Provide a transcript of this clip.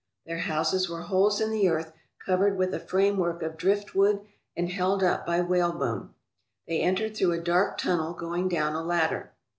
Their houses were holes in the earth covered with a frame work of driftwood and held up by whalebone. They entered through a dark tunnel, going down a ladder.